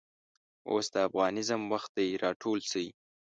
اوس دافغانیزم وخت دی راټول شئ